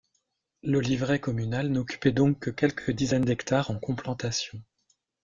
L’oliveraie communale n’occupait donc que quelques dizaines d’hectares en complantation.